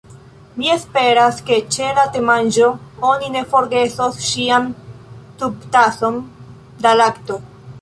Mi esperas ke ĉe la temanĝo oni ne forgesos ŝian subtason da lakto.